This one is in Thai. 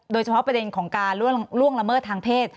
โดยเฉพาะประเด็นของการล่วงละเมิดทางเพศ